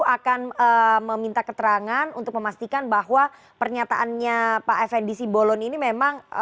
akan meminta keterangan untuk memastikan bahwa pernyataannya pak fnd simbolon ini memang